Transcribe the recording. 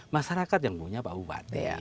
masyarakat yang punya pak bupati